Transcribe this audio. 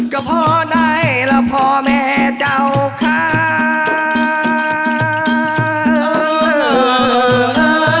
ก็พ่อไหนและพ่อแม่เจ้าค้า